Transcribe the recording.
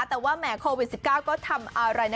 แต่ว่าแหมโควิด๑๙ก็ทำอะไรนะ